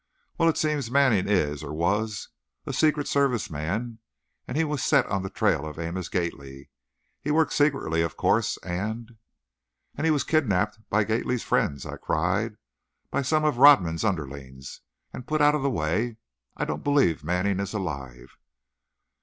"Well, it seems Manning is, or was, a Secret Service man and he was set on the trail of Amos Gately. He worked secretly, of course, and " "And he was kidnaped by Gately's friends!" I cried; "by some of Rodman's underlings, and put out of the way! I don't believe Manning is alive!"